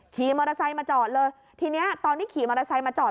ขี่มอเตอร์ไซค์มาจอดเลยทีนี้ตอนที่ขี่มอเตอร์ไซค์มาจอด